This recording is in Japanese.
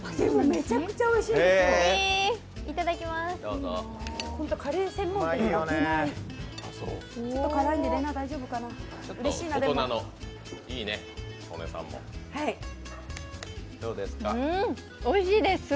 めちゃくちゃおいしいんですよ。